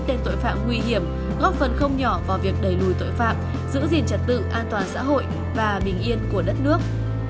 tên tội phạm nguy hiểm góp phần không nhỏ vào việc đẩy lùi tội phạm giữ gìn trật tự an toàn xã hội và bình yên của đất nước